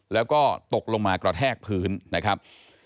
แล้วก็ตกลงมากระแทกพื้นนะครับ